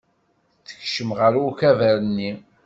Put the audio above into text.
Tekcem ɣer ukabar-nni.